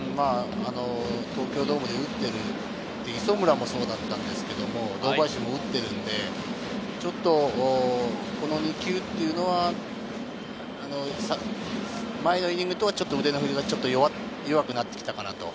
東京ドームで打ってる磯村もそうなんですけれど、堂林も打ってるので、ちょっとこの２球っていうのは、前のイニングとはちょっと腕の振りが弱くなってきたかなと。